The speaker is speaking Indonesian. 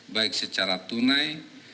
baik secara tunai